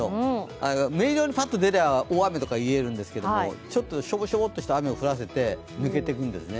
明瞭にパッと出れば大雨とか言えるんですけど、ショボショボした雨を降らせて抜けてくんですね。